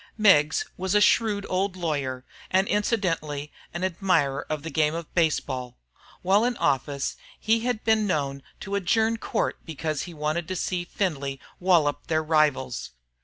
Meggs was a shrewd old lawyer, and incidentally an admirer of the game of baseball. While in office he had been known to adjourn court because he wanted to see Findlay "wollop" their rivals.